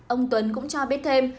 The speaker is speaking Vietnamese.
ông tuấn cũng cho biết thêm